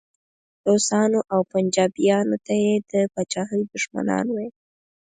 روسانو او پنجابیانو ته یې د پاچاهۍ دښمنان ویل.